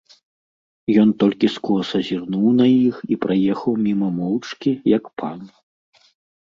Ён толькі скоса зірнуў на іх і праехаў міма моўчкі, як пан.